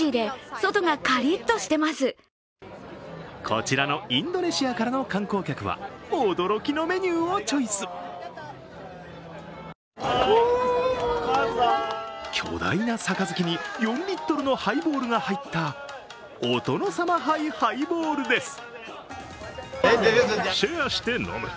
こちらのインドネシアからの観光客は、驚きのメニューをチョイス巨大な盃に４リットルのハイボールか入ったお殿様盃・ハイボールです。